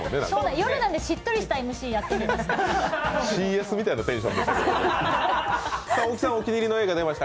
夜なのでしっとりしたＭＣやってみました。